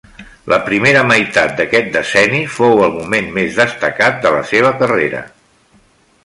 La primera meitat d'aquest decenni fou el moment més destacat de la seva carrera.